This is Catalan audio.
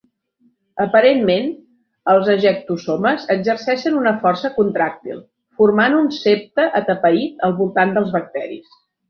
Aparentment, els ejectosomes exerceixen una força contràctil, formant un septe atapeït al voltant dels bacteris.